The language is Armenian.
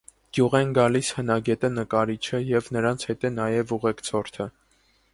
Գյուղ են գալիս հնագետը, նկարիչը և նրանց հետ է նաև ուղեկցորդը։